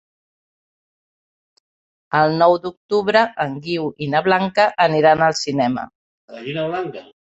El nou d'octubre en Guiu i na Blanca aniran al cinema.